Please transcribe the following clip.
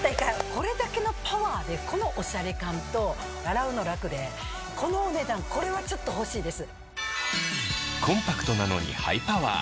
これだけのパワーでこのオシャレ感と洗うの楽でこのお値段これは欲しいです。